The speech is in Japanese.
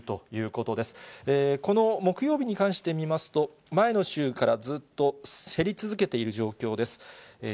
この木曜日に関して見ますと、前の週からずっと減り続けている状況です。